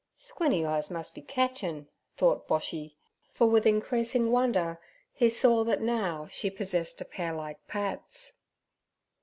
'Squinny eyes mus' be catchin" thought Boshy, for with increasing wonder he saw that now she possessed a pair like Pat's.